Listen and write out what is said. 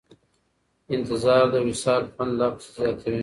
انتظار د وصال خوند لا پسې زیاتوي.